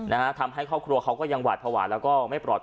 นะฮะทำให้ครอบครัวเขาก็ยังหวาดภาวะแล้วก็ไม่ปลอด